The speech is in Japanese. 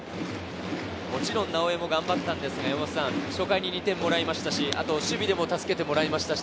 もちろん直江も頑張ったのですが、初回に２点もらいましたし、守備でも助けてもらいました。